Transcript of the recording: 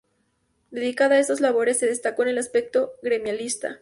Dedicado a esas labores, se destacó en el aspecto gremialista.